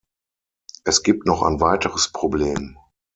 Es gibt noch ein weiteres Problem.